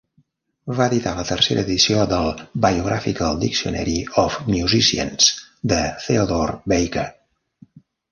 Va editar la tercera edició del "Biographical Dictionary of Musicians" de Theodore Baker.